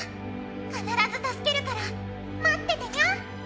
必ず助けるから待っててニャン！